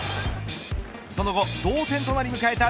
その後、同点となり迎えた